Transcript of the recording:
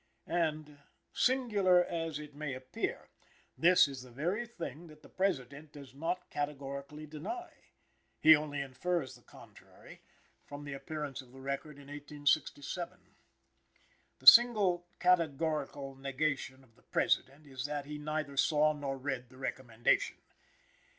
And, singular as it may appear, this is the very thing that the President does not categorically deny; he only infers the contrary from the appearance of the record in 1867. The single categorical negation of the President is that he neither saw nor read the recommendation.